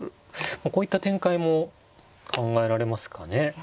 こういった展開も考えられますかね。